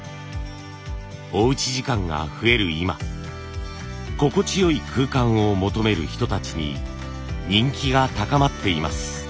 おうち時間が増える今心地よい空間を求める人たちに人気が高まっています。